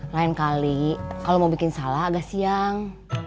lain kali kalau mau bikin sala agak siang